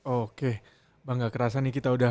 oke bang enggak kerasa nih kita udah